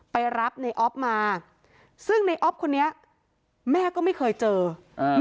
ไปรับในออฟมาซึ่งในออฟคนนี้แม่ก็ไม่เคยเจออ่า